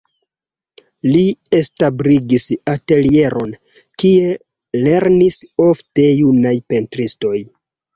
Li establis atelieron, kie lernis ofte junaj pentristoj.